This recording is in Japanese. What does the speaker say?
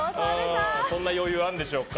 そんな余裕あるんでしょうか。